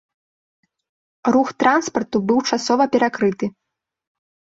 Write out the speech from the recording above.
Рух транспарту быў часова перакрыты.